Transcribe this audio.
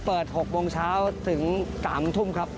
เปิด๖โมงเช้าถึง๓ทุ่มครับ